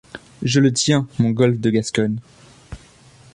Je le tiens, mon golfe de Gascogne.